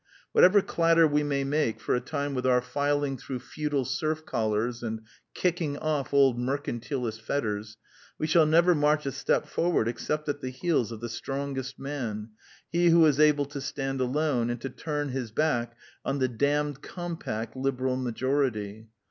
Whatever clatter we may make for a time with our filing through feudal serf collars and kicking off old mercantilist fetters, we shall never march a step forward except at the heels of '^ the strongest man, he who is able to stand alone " and to turn his back on " the damned compact Liberal majority."